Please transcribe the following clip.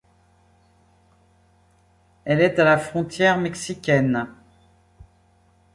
Elle est à la frontière mexicaine.